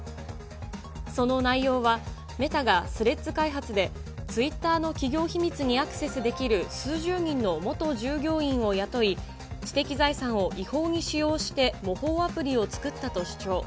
その内容は、メタがスレッズ開発で、ツイッターの企業秘密にアクセスできる数十人の元従業員を雇い、知的財産を違法に使用して、模倣アプリを作ったと主張。